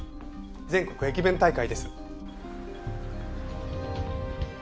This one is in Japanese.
全国駅弁大会です。